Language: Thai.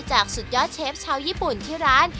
สุดยอดเชฟชาวญี่ปุ่นที่ร้าน